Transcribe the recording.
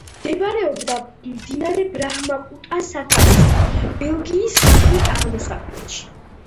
მდებარეობდა მდინარე ბრაჰმაპუტრას სათავეებთან, ბენგალის სამხრეთ-აღმოსავლეთში.